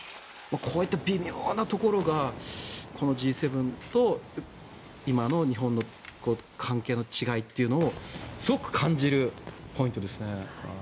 こういった微妙なところがこのＧ７と今の日本の関係の違いというのをすごく感じるポイントですね。